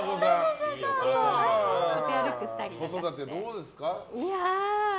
子育て、どうですか？